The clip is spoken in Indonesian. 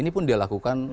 ini pun dia lakukan